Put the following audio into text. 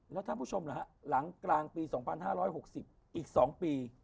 แล้วท่านผู้ชมเหรอฮะหลังกลางปี๒๕๖๐อีก๒ปี